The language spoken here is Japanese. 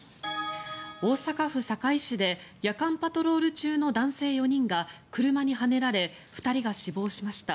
大阪府堺市で夜間パトロール中の男性４人が車にはねられ２人が死亡しました。